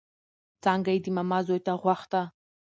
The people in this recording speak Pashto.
څانګه يې د ماما زوی ته غوښته